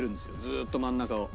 ずっと真ん中を。